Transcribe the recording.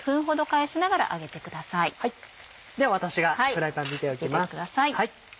では私がフライパン見ておきます。